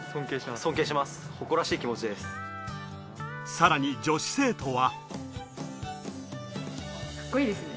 さらに女子生徒は。